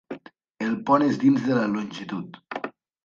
El pont és dins de la longitud.